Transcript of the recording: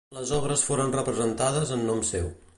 Les obres foren representades en nom seu.